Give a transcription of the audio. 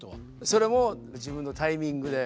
それも自分のタイミングで。